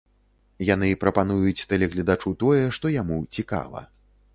Яны прапануюць тэлегледачу тое, што яму цікава.